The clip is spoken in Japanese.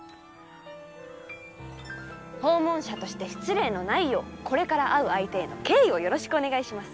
訪問者として失礼のないようこれから会う相手への敬意をよろしくお願いします。